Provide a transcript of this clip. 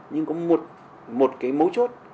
nhưng có một cái mấu chốt